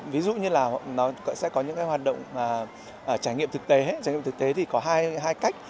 ví dụ như là nó sẽ có những hoạt động trải nghiệm thực tế trải nghiệm thực tế thì có hai cách